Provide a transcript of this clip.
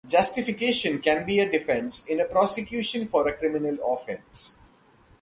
Justification can be a defense in a prosecution for a criminal offense.